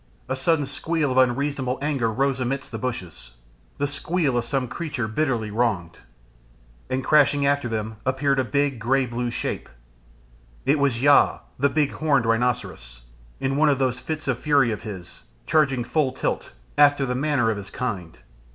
A sudden squeal of unreasonable anger rose amidst the bushes, the squeal of some creature bitterly wronged. And crashing after them appeared a big, grey blue shape. It was Yaaa the big horned rhinoceros, in one of those fits of fury of his, charging full tilt, after the manner of his kind.